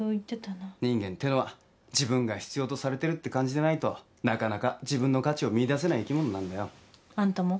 人間ってのは自分が必要とされてるって感じてないとなかなか自分の価値を見いだせない生き物なんだよ。あんたも？